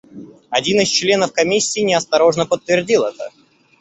Один из членов комиссии неосторожно подтвердил это.